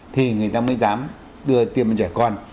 thì người ta mới dám đưa tiêm cho trẻ con